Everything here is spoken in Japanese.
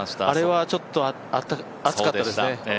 あれはちょっと、熱かったですね。